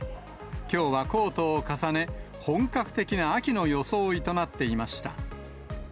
きょうはコートを重ね、本格的な秋の装いとなっていました。